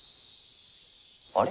あれ？